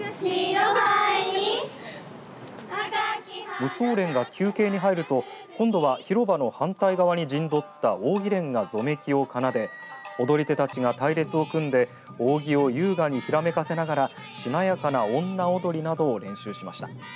無双連が休憩に入ると、今度は広場の反対側に陣取った扇連がぞめきを奏で踊り手たちが隊列を組んで扇を優雅にひらめかせながらしなやかな女踊りなどを練習しました。